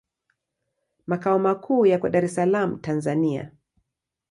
Makao makuu yako Dar es Salaam, Tanzania.